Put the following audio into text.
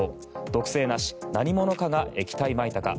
毒性なし何者かが液体まいたか？